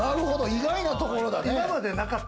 意外なところだね。